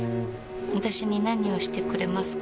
私に何をしてくれますか？